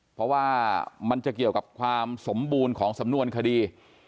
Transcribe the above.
เพราะว่ามันจะเกี่ยวกับความสมบูรณ์ของสำนวนคดี